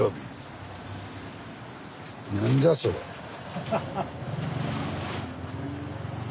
ハハハッ。